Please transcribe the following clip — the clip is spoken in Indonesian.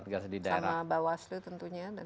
iya sama bawaslu tentunya dan kpud